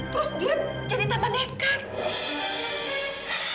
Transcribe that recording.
terus dia jadi tambah nekat